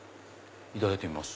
いただいてみます。